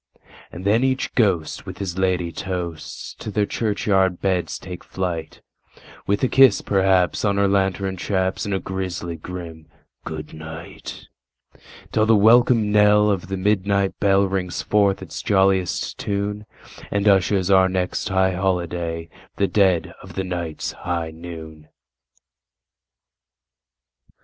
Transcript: And then each ghost with his ladye toast to their churchyard beds take flight, With a kiss, perhaps, on her lantern chaps, and a grisly grim "good night"; Till the welcome knell of the midnight bell rings forth its jolliest tune, And ushers our next high holiday—the dead of the night's high noon!